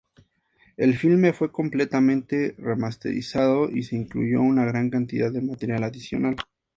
El filme fue completamente remasterizado y se incluyó una gran cantidad de material adicional.